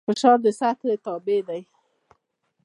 فشار د سطحې تابع دی.